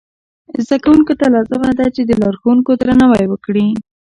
زده کوونکو ته لازمه ده چې د لارښوونکو درناوی وکړي.